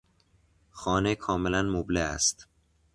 خانه کاملا مبله است.